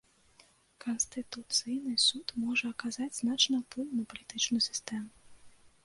Канстытуцыйны суд можа аказаць значны ўплыў на палітычную сістэму.